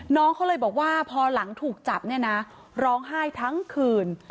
น้องเขาเลยบอกว่าพอหลังถูกจับเนี่ยนะร้องไห้ทั้งคืน